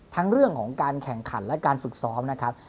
ทั้งเรื่องของการแข่งขันและการฝึกซ้อมนะครับ